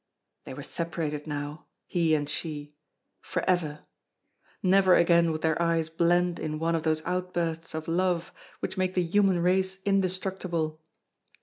They were separated now he and she forever! Never again would their eyes blend in one of those outbursts of love which make the human race indestructible.